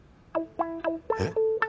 えっ？